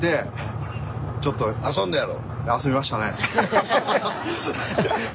遊んだやろ。